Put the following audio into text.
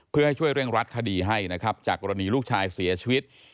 เพื่อให้ช่วยเร่งรัดคดีให้นะครับจากกรณีลูกชายเสียชีวิต